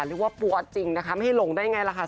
หรือว่าปัวจริงนะคะไม่ให้หลงได้ไงล่ะค่ะ